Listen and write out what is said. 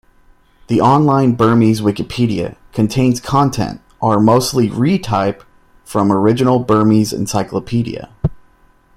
The online Burmese Wikipedia contains content are mostly re-type from original Burmese Encyclopedia.